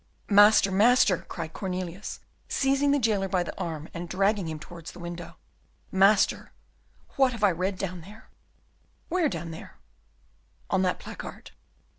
"Master, master," cried Cornelius, seizing the jailer by the arm and dragging him towards the window, "master, what have I read down there?" "Where down there?" "On that placard."